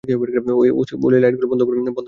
ওলি, লাইটগুলো বন্ধ করছো না কেনো?